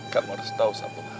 kamu harus tahu